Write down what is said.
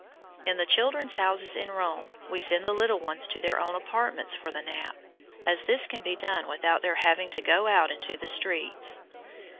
In the "Children's Houses" in Rome we send the little ones to their own apartments for the nap, as this can be done without their having to go out into the streets.